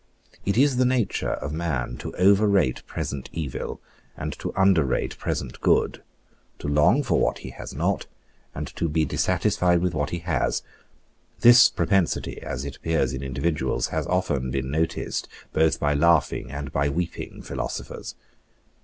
It is the nature of man to overrate present evil, and to underrate present good; to long for what he has not, and to be dissatisfied with what he has. This propensity, as it appears in individuals, has often been noticed both by laughing and by weeping philosophers.